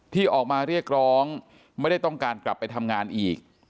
ที่ออกมาเรียกร้องไม่ได้ต้องการกลับไปทำงานอีก